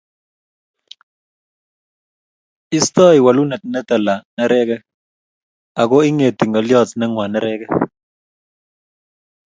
Istoi waluunet ne tala nereegek , ago ing'eeti ng'olyot ne ng'waan nereegek.